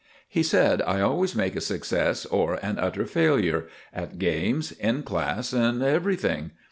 He said, "I always make a success or an utter failure—at games, in class and everything.